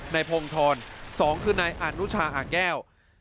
พงธร๒คือนายอนุชาอ่างแก้ว